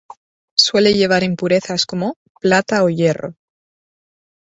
Suele llevar impurezas como: Ag, Fe.